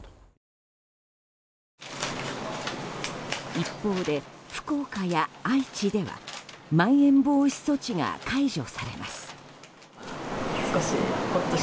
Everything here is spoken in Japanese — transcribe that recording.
一方で福岡や愛知ではまん延防止措置が解除されます。